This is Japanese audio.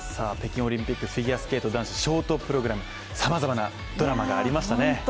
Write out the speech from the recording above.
北京オリンピックフィギュアスケート男子ショートプログラム、さまざまなドラマがありましたね。